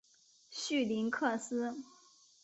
绪林克斯。